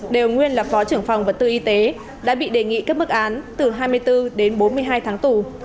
đều nguyên là phó trưởng phòng vật tư y tế đã bị đề nghị các mức án từ hai mươi bốn đến bốn mươi hai tháng tù